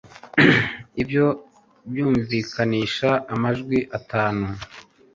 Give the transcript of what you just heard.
Ibyo byumvikanisha amajwi atanu